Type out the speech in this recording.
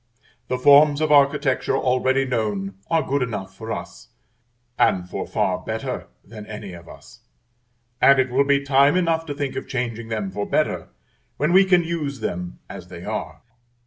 The forms of architecture already known are good enough for us, and for far better than any of us: and it will be time enough to think of changing them for better when we can use them as they are.